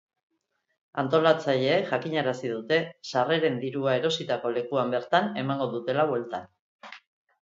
Antolatzaileek jakinarazi dute sarreren dirua erositako lekuan bertan emango dutela bueltan.